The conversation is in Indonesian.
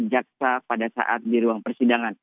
ini adalah hal yang dibunyikan jaksa pada saat di ruang persidangan